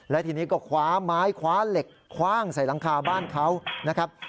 และทีนี้ก็คว้าไม้คว้าเหล็กคว่างใส่หลังคาบ้านเขานะครับ